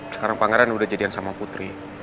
sekarang pangeran udah jadian sama putri